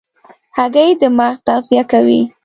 هګۍ د مغز تغذیه کوي.